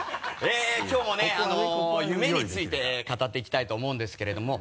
きょうもね夢について語っていきたいと思うんですけれども。